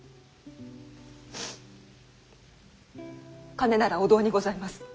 金ならお堂にございます。